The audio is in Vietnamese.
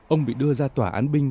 ông bị đưa ra tòa án binh